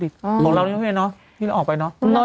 ของเรานี่น้องเมย์เนาะที่เราออกไปเนอะ